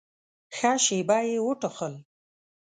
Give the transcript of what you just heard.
ښه شېبه يې وټوخل.